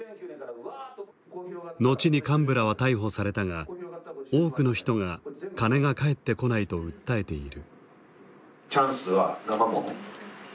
後に幹部らは逮捕されたが多くの人が金が返ってこないと訴えている。